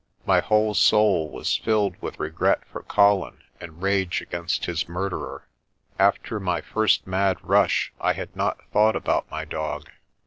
My whole soul was filled with regret for Colin and rage against his murderer. After my first mad rush I had not thought about my dog.